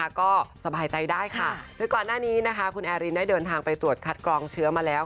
ก็สบายใจได้ค่ะโดยก่อนหน้านี้นะคะคุณแอรินได้เดินทางไปตรวจคัดกรองเชื้อมาแล้ว